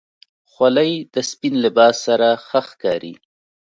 خولۍ د سپین لباس سره ښه ښکاري.